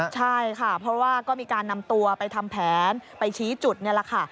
ใช่ค่ะเพราะว่าก็มีการนำตัวไปทำแผนไปชี้จุดนี่แหละค่ะ